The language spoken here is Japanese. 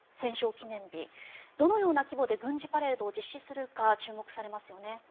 記念日どのような規模で軍事パレードを実施するか注目されますよね。